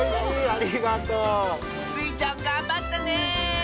ありがとう！スイちゃんがんばったね！